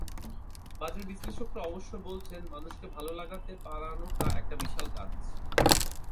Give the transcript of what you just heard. বাজার বিশ্লেষকেরা অবশ্য বলছেন, মানুষকে ভালো লাগাতে পারানোটা একটা বিশাল কাজ।